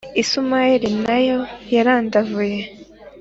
Israheli na yo yarandavuye.